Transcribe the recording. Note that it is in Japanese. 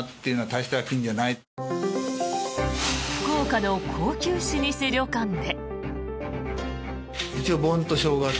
福岡の高級老舗旅館で。